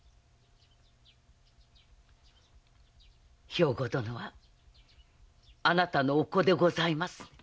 兵庫殿はあなたのお子でございますな？